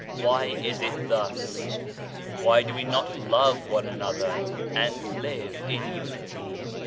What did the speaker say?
Why is it thus ? Why do we not love one another and live in unity